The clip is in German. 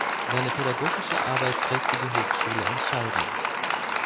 Seine pädagogische Arbeit prägte die Hochschule entscheidend.